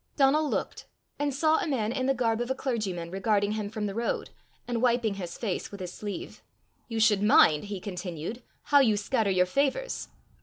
Donal looked, and saw a man in the garb of a clergyman regarding him from the road, and wiping his face with his sleeve. "You should mind," he continued, "how you scatter your favours."